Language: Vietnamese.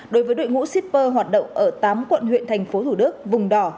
đối với đội ngũ shipper hoạt động ở tám quận huyện thành phố thủ đức vùng đỏ